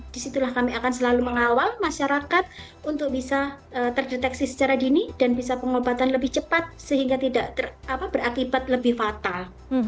disitulah kami akan selalu mengawal masyarakat untuk bisa terdeteksi secara dini dan bisa pengobatan lebih cepat sehingga tidak berakibat lebih fatal